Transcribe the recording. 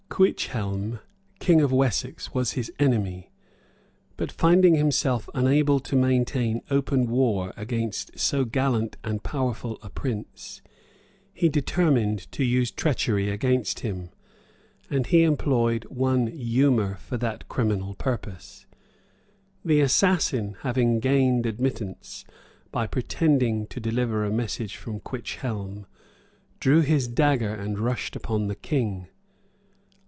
Cuichelme, king of Wessex, was his enemy; but finding himself unable to maintain open war against so gallant and powerful a prince, he determined to use treachery against him, and he employed one Eumer for that criminal purpose, The assassin, having obtained admittance, by pretending to deliver a message from Cuichelme, drew his dagger, and rushed upon the king.